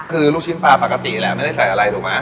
คือลูกชิ้นปลาปกติแหละไม่ได้ใส่อะไรถูกไหม